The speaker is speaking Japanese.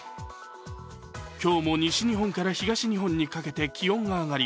今日も西日本から東日本にかけて気温が上がり、